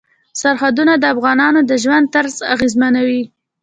سرحدونه د افغانانو د ژوند طرز اغېزمنوي.